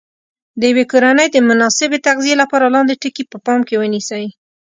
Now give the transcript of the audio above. د یوې کورنۍ د مناسبې تغذیې لپاره لاندې ټکي په پام کې ونیسئ.